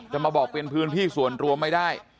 มาบอกเป็นพื้นที่ส่วนรวมไม่ได้